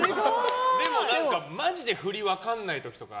でも、マジで振り、分かんない時とか。